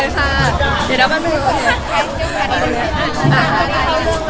กลับเลยค่ะ